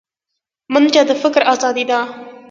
منډه د فکر ازادي ده